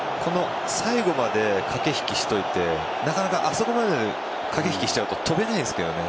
最後まで駆け引きしておいてなかなかあそこまで駆け引きしちゃうと跳べないんですけどね。